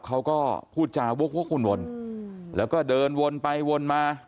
เขาก็พูดจาวกวนแล้วก็เดินวนไปวนมา